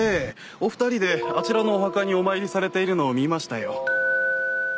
お二人であちらのお墓にお参りされているのを見ましたよ。